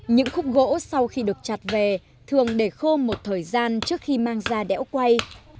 những khúc gỗ sau khi được chặt về thường để khô một thời gian trước khi mang ra đéo quay